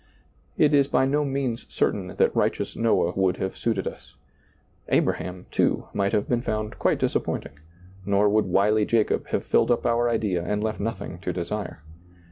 It is by no means certain that righteous Noah would have suited us. Abraham, too, might have been found quite disappointing, nor would wily Jacob have filled up our idea and left nothing to desire.